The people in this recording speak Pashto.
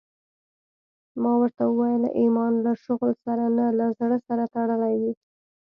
ما ورته وويل ايمان له شغل سره نه له زړه سره تړلى وي.